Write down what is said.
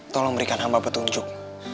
tolong berikan hamba petunjuk